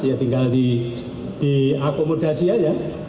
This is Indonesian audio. ya tinggal diakomodasi aja